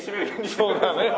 そうだね。